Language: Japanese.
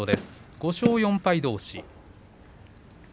５勝４敗どうし。